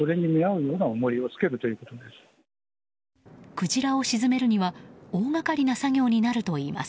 クジラを沈めるには大がかりな作業になるといいます。